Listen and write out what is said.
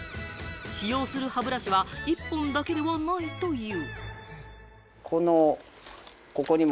使用する歯ブラシは１本だけではないという。